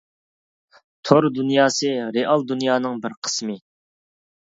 تور دۇنياسى رېئال دۇنيانىڭ بىر قىسمى.